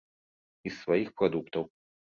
І з сваіх прадуктаў.